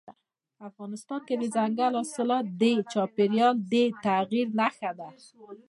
افغانستان کې دځنګل حاصلات د چاپېریال د تغیر نښه ده.